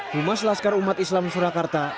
rumah selaskar umat islam surakarta